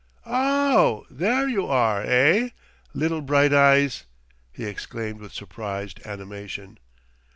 "Ow, there you are, eigh, little bright eyes!" he exclaimed with surprised animation.